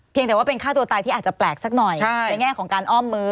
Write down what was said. แต่ว่าเป็นฆ่าตัวตายที่อาจจะแปลกสักหน่อยในแง่ของการอ้อมมือ